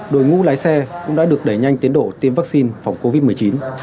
đội ngũ lái xe cũng đã được đẩy nhanh tiến độ tiêm vaccine phòng covid một mươi chín